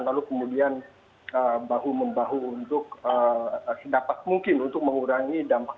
lalu kemudian bahu membahu untuk sedapat mungkin untuk mengurangi dampak